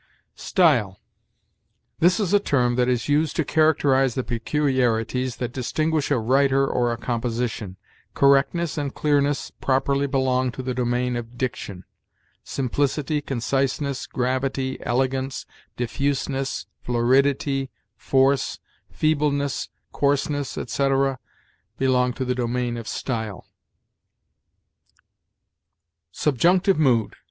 STYLE. This is a term that is used to characterize the peculiarities that distinguish a writer or a composition. Correctness and clearness properly belong to the domain of diction; simplicity, conciseness, gravity, elegance, diffuseness, floridity, force, feebleness, coarseness, etc., belong to the domain of style. SUBJUNCTIVE MOOD.